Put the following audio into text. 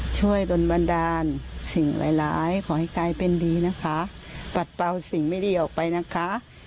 โดนบันดาลสิ่งหลายขอให้กลายเป็นดีนะคะปัดเป่าสิ่งไม่ดีออกไปนะคะ